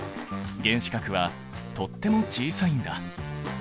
原子核はとっても小さいんだ。